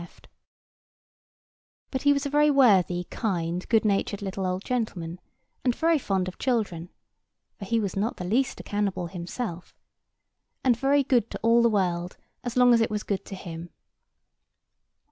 [Picture: The Professor] But he was a very worthy kind good natured little old gentleman; and very fond of children (for he was not the least a cannibal himself); and very good to all the world as long as it was good to him.